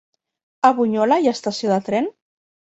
A Bunyola hi ha estació de tren?